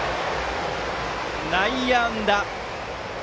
内野安打。